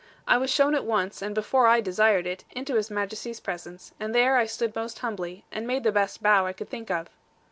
I was shown at once, and before I desired it, into His Majesty's presence, and there I stood most humbly, and made the best bow I could think of.